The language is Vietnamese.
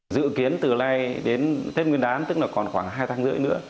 dự kiến từ nay đến tết nguyên đán tức là còn khoảng hai tháng rưỡi nữa